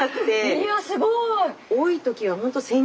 いやすごい！